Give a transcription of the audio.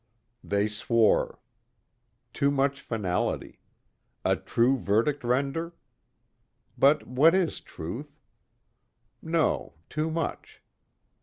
They swore. Too much finality. A true verdict render? but what is truth? No, too much.